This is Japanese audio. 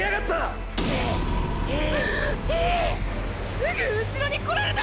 すぐうしろに来られた！！